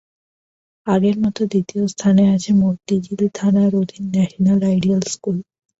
আগের মতো দ্বিতীয় স্থানে আছে মতিঝিল থানার অধীন ন্যাশনাল আইডিয়াল স্কুল।